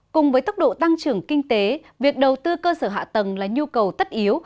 cùng với tốc độ tăng trưởng kinh tế việc đầu tư cơ sở hạ tầng là nhu cầu tất yếu